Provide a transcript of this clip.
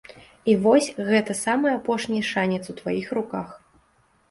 І вось, гэты самы апошні шанец у тваіх руках!